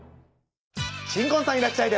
新婚さんいらっしゃい！